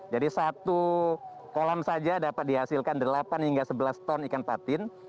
jadi satu kolam saja dapat dihasilkan delapan hingga sebelas ton ikan patin